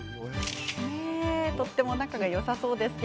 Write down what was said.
とっても仲がよさそうですね。